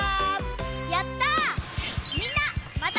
やった！